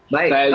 baik saya jawab